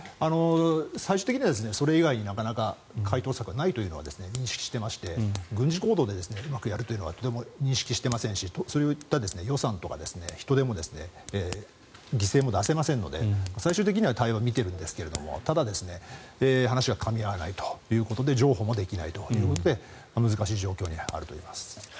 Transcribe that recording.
最終的にはそれ以外になかなか解答策はないというのは認識していまして軍事行動でうまくやるというのは認識していませんしそういった予算とか人手も犠牲も出せませんので最終的には対話を見ているんですがただ話はかみ合わないということで譲歩もできないということで難しい状況にあると思います。